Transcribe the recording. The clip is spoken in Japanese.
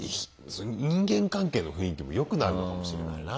人間関係の雰囲気も良くなるのかもしれないな。